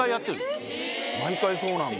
毎回そうなんだ。